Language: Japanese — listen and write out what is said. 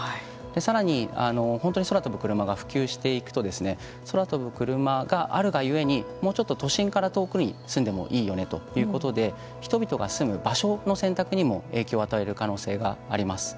さらに、本当に空飛ぶクルマが普及していくと空飛ぶクルマがあるがゆえにもうちょっと都心から遠くに住んでもいいよねということで人々が住む場所の選択にも影響を与える可能性があります。